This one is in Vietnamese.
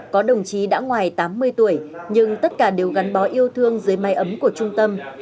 có đồng chí đã ngoài tám mươi tuổi nhưng tất cả đều gắn bó yêu thương dưới mái ấm của trung tâm